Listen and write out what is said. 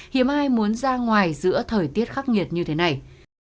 hiếm ai muốn ra ngoài giữa thời tiết khắc nghiệt như thế này